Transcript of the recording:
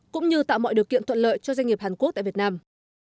cũng như tạo mọi điều kiện thuận lợi cho doanh nghiệp hàn quốc tại việt nam